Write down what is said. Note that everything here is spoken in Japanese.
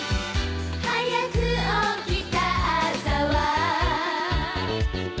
「はやく起きた朝は」